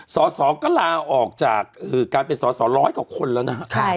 สอสอก็ลาออกจากการเป็นสอสอร้อยกว่าคนแล้วนะครับ